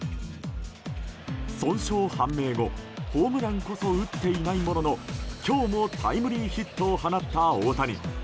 損傷判明後、ホームランこそ打っていないものの今日もタイムリーヒットを放った大谷。